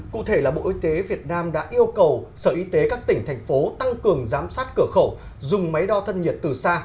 cụ thể là bộ y tế việt nam đã yêu cầu sở y tế các tỉnh thành phố tăng cường giám sát cửa khẩu dùng máy đo thân nhiệt từ xa